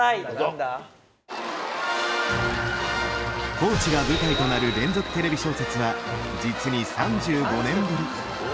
高知が舞台となる「連続テレビ小説」は実に３５年ぶり。